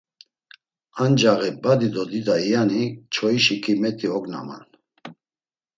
Ancaği badi do dida iyani çoyişi ǩimet̆i ognaman.